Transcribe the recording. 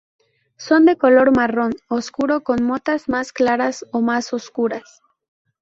Son de color marrón oscuro con motas más claras o más oscuras.